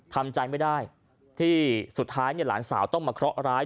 ทำใจไม่ได้ที่สุดท้ายหลานสาวต้องมาเคราะหร้าย